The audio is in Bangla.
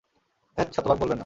ধ্যাত, শতভাগ বলবেন না!